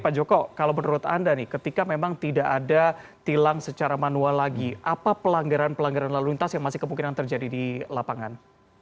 pak joko kalau menurut anda nih ketika memang tidak ada tilang secara manual lagi apa pelanggaran pelanggaran lalu lintas yang masih kemungkinan terjadi di lapangan